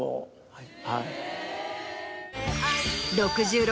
はい。